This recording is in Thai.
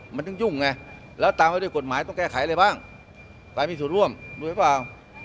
มันต้องยุ่งไงแล้วตามไว้ด้วยกฎหมายต้องแก้ไขอะไรบ้างการมีส่วนร่วมด้วยหรือเปล่า